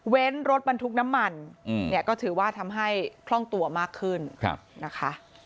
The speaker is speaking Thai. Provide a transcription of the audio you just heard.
รถบรรทุกน้ำมันเนี่ยก็ถือว่าทำให้คล่องตัวมากขึ้นนะคะ